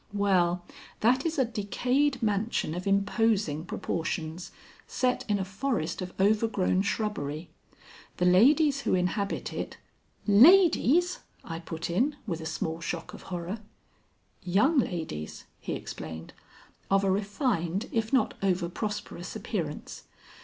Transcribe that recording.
"Well, that is a decayed mansion of imposing proportions, set in a forest of overgrown shrubbery. The ladies who inhabit it " "Ladies!" I put in, with a small shock of horror. "Young ladies," he explained, "of a refined if not over prosperous appearance.